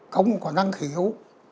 không có năng hiểu